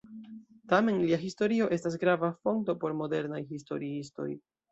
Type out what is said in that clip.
Tamen lia historio estas grava fonto por modernaj historiistoj.